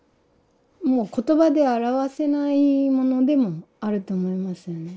もう言葉で表せないものでもあると思いますよね。